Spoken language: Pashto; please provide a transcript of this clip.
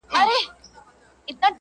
o ستا د پښو ترپ ته هركلى كومه.